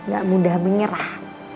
gak mudah menyerah